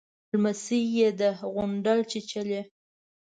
_لمسۍ يې ده، غونډل چيچلې.